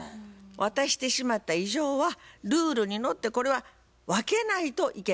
渡してしまった以上はルールにのってこれは分けないといけません。